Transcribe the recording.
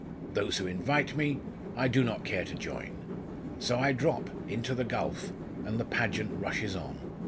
Those who invite me, I do not care to join. So I drop into the gulf and the pageant rushes on.